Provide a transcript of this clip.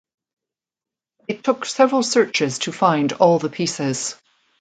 It took several searches to find all the pieces.